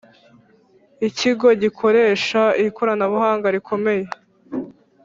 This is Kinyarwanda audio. ikigo gikoresha ikoranabuhanga rikomeye